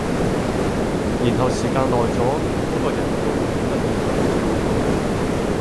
然後時間耐咗，嗰個人都會變得越來越扭曲